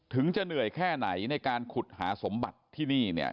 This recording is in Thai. จะเหนื่อยแค่ไหนในการขุดหาสมบัติที่นี่เนี่ย